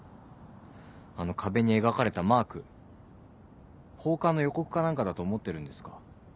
あの壁に描かれたマーク放火の予告かなんかだと思ってるんですか？